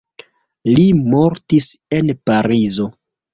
Li mortis en Parizo.